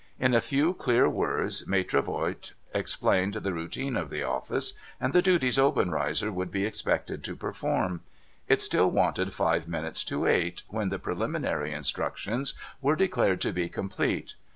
In a few clear words, Maitre Voigt explained the routine of the office, and the duties Obenreizer would be expected to perform. It still wanted five minutes to eight, when the preliminary instructions were declared to be complete.